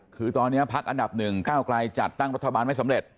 คือตอนนี้พักอันดับหนึ่งก้าวไกลจัดตั้งรัฐบาลไม่สำเร็จ